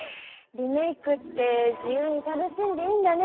リメイクって自由に楽しんでいいんだね。